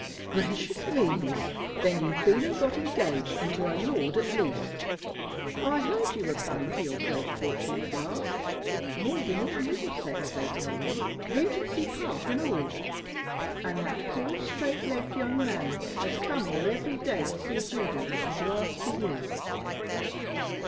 "Gracious me, Miss, then you've been and got engaged, and to a lord at least. I heard you were come into your great fortune at last; more than all Middlesex they tell me, Regency Park and all! And that poor straight legged young man, as come here every day to see Judy, and to ask for you."